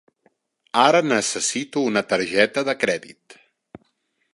Ara necessito una targeta de crèdit.